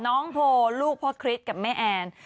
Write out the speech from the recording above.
น้องโพลูกพ่อคริสกับแม่แอน